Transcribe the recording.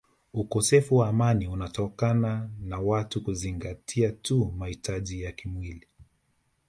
Ukosefu wa amani unatokana na watu kuzingatia tu mahitaji ya kimwili